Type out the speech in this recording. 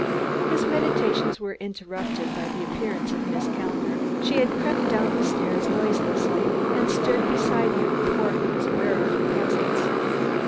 His meditations were interrupted by the appearance of Miss Kellner. She had crept down the stairs noiselessly, and stood beside him before he was aware of her presence.